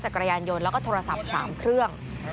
กับโทรศัพท์สามเครื่อง